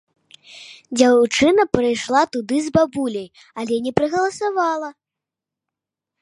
Дзяўчына прыйшла туды з бабуляй, але не прагаласавала.